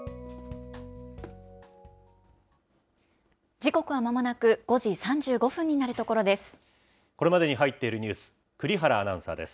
時刻はまもなく５時３５分になるところです。